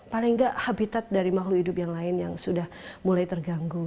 paling nggak habitat dari makhluk hidup yang lain yang sudah mulai terganggu